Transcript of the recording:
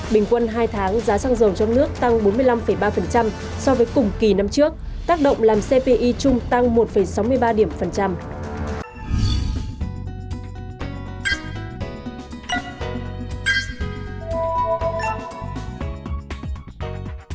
bình quân hai tháng giá xăng dầu trong nước tăng bốn mươi năm ba so với cùng kỳ năm trước tác động làm cpi chung tăng một sáu mươi ba điểm phần trăm